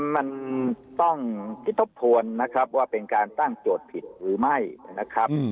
มันต้องคิดทบทวนนะครับว่าเป็นการตั้งโจทย์ผิดหรือไม่นะครับ